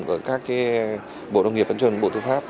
của các bộ đồng nghiệp văn chuẩn bộ thư pháp